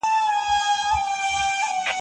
بيا مي درته زړه څنګه لمبه کوي